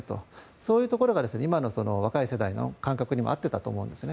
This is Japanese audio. そういうところが今の若い世代の感覚にも合ってたと思うんですね。